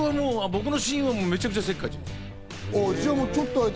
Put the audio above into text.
僕の親友はめちゃくちゃせっかち。